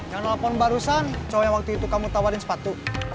yang nelfon barusan cowoknya waktu itu kamu tawarin sepatu